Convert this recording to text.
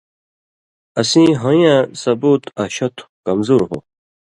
اسیں ہُوئن٘یاں ثُبوت اشتوۡ (کمزور) ہو